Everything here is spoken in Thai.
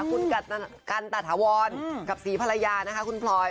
คุณกันตาถาวรกับศรีภรรยานะคะคุณพลอย